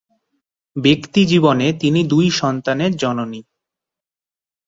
ব্যক্তি জীবনে তিনি দুই সন্তানের জননী।